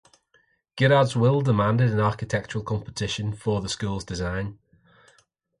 Girard's will demanded an architectural competition for the school's design.